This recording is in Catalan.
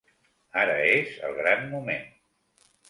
Ara és el gran moment.